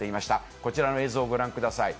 こちらの映像ご覧ください。